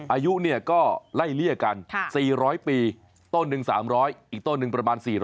อายุเนี่ยก็ไล่เลี่ยกัน๔๐๐ปีต้นหนึ่ง๓๐๐อีกต้นหนึ่งประมาณ๔๐๐